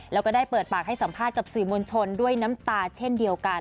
แล้วก็ได้เปิดปากให้สัมภาษณ์กับสื่อมวลชนด้วยน้ำตาเช่นเดียวกัน